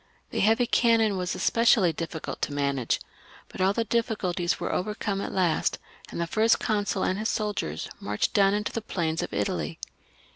The heavy cannon were especially difficult to manage; but all the difficulties were overcome at last, and the First Consul and his soldiers marched down into the plains of Italy.